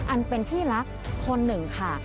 อันเป็นที่รักคนหนึ่งค่ะ